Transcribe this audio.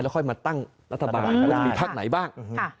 ค่อยมาตั้งรัฐบาลว่าจะมีพักไหนบ้าง